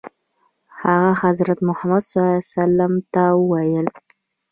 هغه حضرت محمد صلی الله علیه وسلم ته وویل.